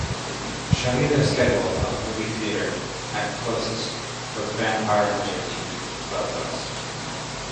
show me the schedule of movie theatre at closest for Vampire Hunter D: Bloodlust